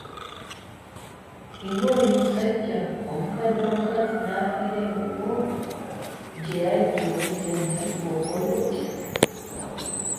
Singa oli musajja, omukadde omukazi n’afiira ewuwo gye yajja okujjanjabibwa okola otya?